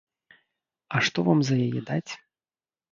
А што вам за яе даць?